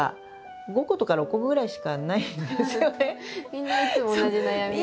みんないつも同じ悩みを。